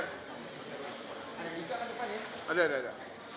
ada di depan ya ada ada